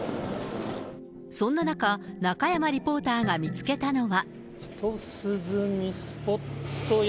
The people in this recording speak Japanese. そんな中、中山リポーターが見つけたのは。